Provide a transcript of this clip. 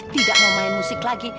tidak mau main musik lagi